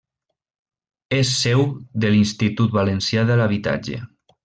És seu de l'Institut Valencià de l'Habitatge.